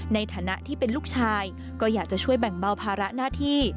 ในฐานะที่เป็นลูกชายก็อยากจะช่วยแบ่งเบาภาระหน้าที่